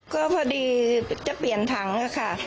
ก็พอดีจะเปลี่ยนถังค่ะ